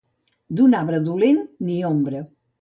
D'un arbre dolent, ni l'ombra.